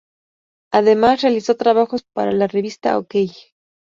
Además, realizó trabajos para la revista Okey.